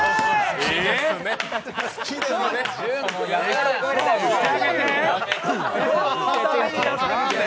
好きですね。